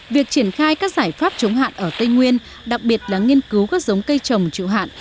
việc triển khai các giải pháp chống hạn ở tây nguyên đặc biệt là nghiên cứu các giống cây trồng trụ hạn